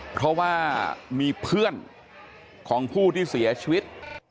เพราะว่ามีเพื่อนของผู้ที่เสียชีวิต